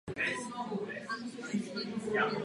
Nad pramenem je písmeno „R“.